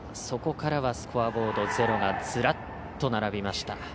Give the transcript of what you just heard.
そこからは、スコアボードゼロがずらっと並びました。